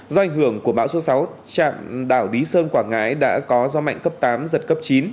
do ảnh hưởng của bão số sáu trạm đảo lý sơn quảng ngãi đã có gió mạnh cấp tám giật cấp chín